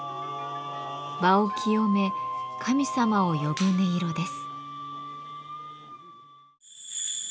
場を清め神様を呼ぶ音色です。